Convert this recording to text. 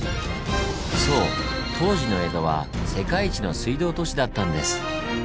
そう当時の江戸は世界一の水道都市だったんです！